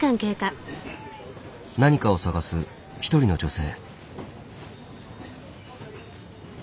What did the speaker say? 何かを探す一人の女性。